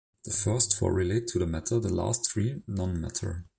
The first four relate to matter, the last three non-matter.